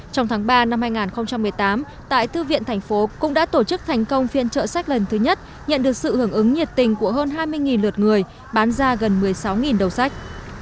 trong tháng ba năm hai nghìn một mươi tám tại thư viện thành phố cũng đã tổ chức thành công phiên trợ sách lần thứ nhất nhận được sự hưởng ứng nhiệt tình của hơn hai mươi lượt người bán ra gần một mươi sáu đầu sách